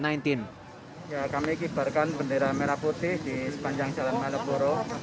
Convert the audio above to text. ya kami kibarkan bendera merah putih di sepanjang jalan malioboro